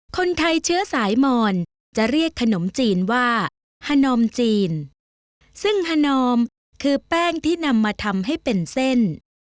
คนไทยเชื้อสายมอนจะเรียกขนมจีนว่าฮานอมจีนซึ่งฮานอมคือแป้งที่นำมาทำให้เป็นเส้น